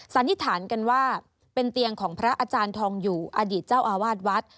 สันนิษฐานกันว่าเป็นเตียงของพระอาจารย์ทองอยู่อดีตเจ้าอาวาสวัด